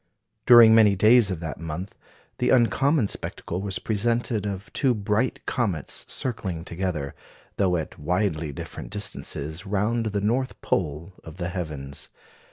During many days of that month, the uncommon spectacle was presented of two bright comets circling together, though at widely different distances, round the North pole of the heavens.